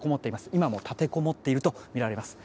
今も立てこもっているとみられます。